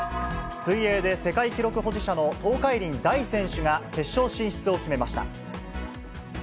水泳で世界記録保持者の東海林大選手が決勝進出を決めました。